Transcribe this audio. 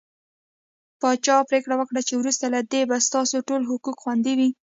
پاچا پرېکړه وکړه چې وروسته له دې به ستاسو ټول حقوق خوندي وي .